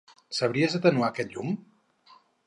Sabries atenuar aquest llum?